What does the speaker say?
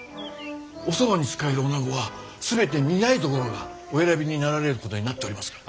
おそばに仕える女子は全て御台所がお選びになられることになっておりますが。